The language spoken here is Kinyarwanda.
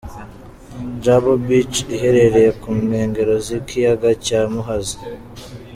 Jambo Beach iherereye ku nkengero z'ikiyaga cya Muhazi.